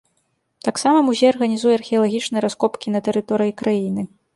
Таксама музей арганізуе археалагічныя раскопкі на тэрыторыі краіны.